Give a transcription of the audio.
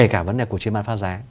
cả vấn đề cuộc chiến ban pháp giá